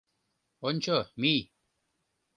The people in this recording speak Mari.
Ончо, мий